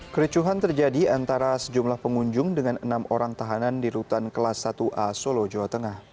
kericuhan terjadi antara sejumlah pengunjung dengan enam orang tahanan di rutan kelas satu a solo jawa tengah